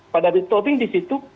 pak dati tobing di situ